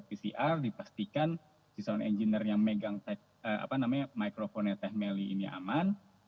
pcr dipastikan season engine yang megang apa namanya microphone nya teh melih ini aman